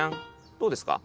どうですか？